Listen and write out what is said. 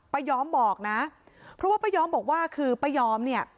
ยอมบอกนะเพราะว่าป้ายอมบอกว่าคือป้ายอมเนี่ย